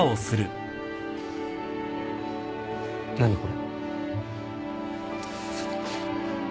何これ？